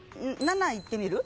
７いってみる？